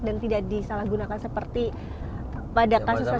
dan tidak disalahgunakan seperti pada kasus kasus yang lalu